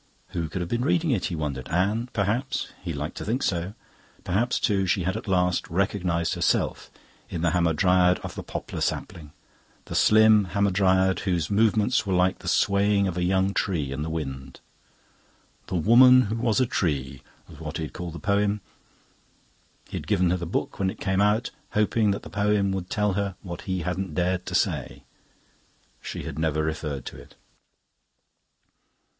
Who could have been reading it, he wondered? Anne, perhaps; he liked to think so. Perhaps, too, she had at last recognised herself in the Hamadryad of the poplar sapling; the slim Hamadryad whose movements were like the swaying of a young tree in the wind. "The Woman who was a Tree" was what he had called the poem. He had given her the book when it came out, hoping that the poem would tell her what he hadn't dared to say. She had never referred to it.